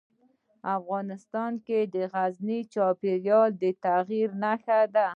افغانستان کې غزني د چاپېریال د تغیر نښه ده.